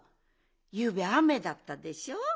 ゆうべあめだったでしょ。